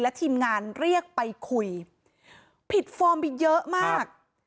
ทีมงานเรียกไปคุยผิดฟอร์มไปเยอะมาก